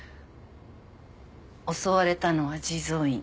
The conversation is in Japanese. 襲われたのは地蔵院